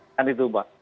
kan itu mbak